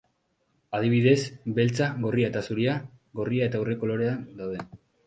Adibidez, beltza, gorria eta zuria, gorria eta urre kolorea daude.